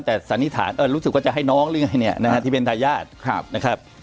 แต่สันนิษฐานรู้สึกว่าจะให้น้องหรือไงเนี่ยนะฮะที่เป็นทายาทนะครับ